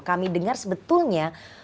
kami dengar sebetulnya